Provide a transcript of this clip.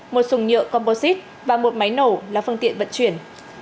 một dùng nhựa composite và một máy nổ là phương tiện vận chuyển